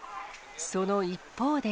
その一方で。